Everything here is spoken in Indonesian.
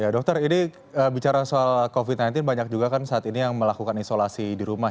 dokter ini bicara soal covid sembilan belas banyak juga kan saat ini yang melakukan isolasi di rumah